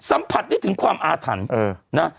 สัมผัสได้ถึงความอาถรรพ์นะ